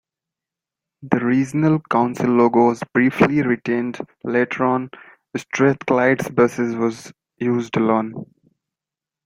The Regional Council logo was briefly retained, later on "Strathclyde's Buses" was used alone.